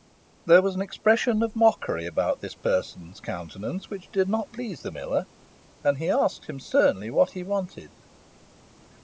There was an expression of mockery about this person's countenance which did not please the miller, and he asked him, sternly, what he wanted.